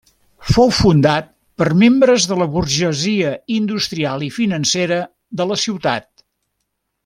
Fou fundat per membres de la burgesia industrial i financera de la ciutat.